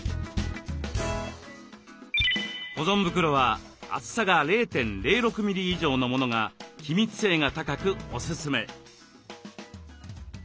保存袋は厚さが０．０６ミリ以上のものが気密性が高くおすすめ。